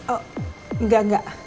oh enggak enggak